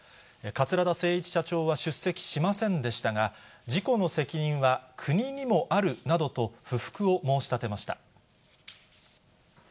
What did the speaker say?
桂田精一社長は出席しませんでしたが、事故の責任は国にもあるなどと、不服を申し立てました。